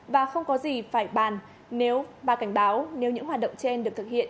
và không có gì phải bàn nếu bà cảnh báo nếu những hoạt động trên được thực hiện